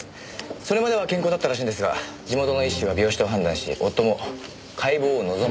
それまでは健康だったらしいんですが地元の医師は病死と判断し夫も解剖を望まなかったそうです。